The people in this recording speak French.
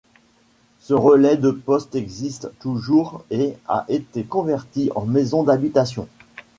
Ce relai de poste existe toujours et a été converti en maison d'habitation.